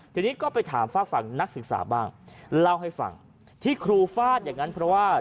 ทีนี้ก็ไปถามฝากฝั่งนักศึกษาบ้างเล่าให้ฟังที่ครูฟาดอย่างนั้นเพราะว่า